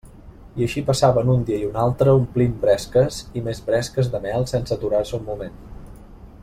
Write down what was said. I així passaven un dia i un altre omplint bresques i més bresques de mel sense aturar-se un moment.